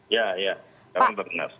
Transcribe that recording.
ya ya sekarang terdengar